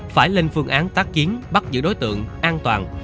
phải lên phương án tác chiến bắt giữ đối tượng an toàn